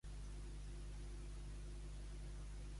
Qui no té delit, no canta.